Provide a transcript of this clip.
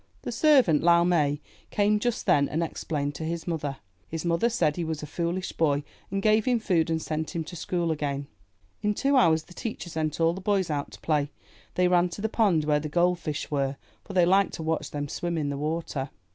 The servant, Lau Mai, came just then and ex plained to his mother. His mother said he was a foolish boy, and gave him food and sent him to school again. In two hours the teacher sent all the boys out to play. They ran to the pond where the gold fish were, for they liked to watch them swim in the water.